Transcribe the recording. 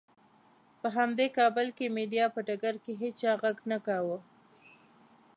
په همدې کابل کې مېډیا په ډګر کې هېچا غږ نه کاوه.